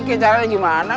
kayak caranya gimana